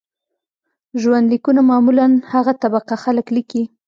ژوند لیکونه معمولاً هغه طبقه خلک لیکي.